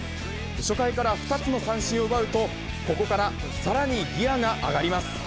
初回から２つの三振を奪うと、ここからさらにギアが上がります。